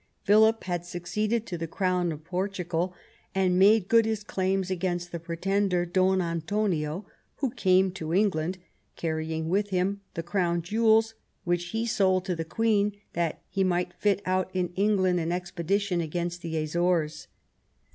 Philip had succeeded to the crown of Portugal, and made good his claims against the pretender, Don Antonio, who came to England, carrying with him the crown jewels, which he sold to the Queen that he might fit out in England an expedition against the Azores.